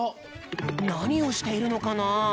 なにをしているのかな？